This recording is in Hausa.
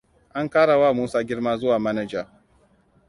An karawa Musa girma zuwa manaja.